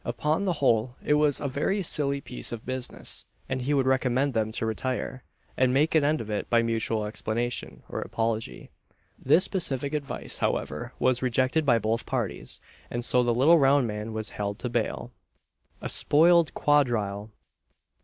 Upon the whole, it was a very silly piece of business, and he would recommend them to retire, and make an end of it by mutual explanation, or apology. This pacific advice, however, was rejected by both parties, and so the little round man was held to bail. A SPOILED QUADRILLE.